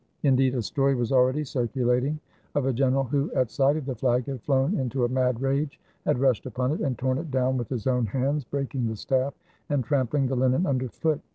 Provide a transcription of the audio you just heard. Indeed, a story was already circulating of a general who, at sight of the flag, had flown into a mad rage, had rushed upon it, and torn it down with his own hands, breaking the staff, and trampling the linen under foot.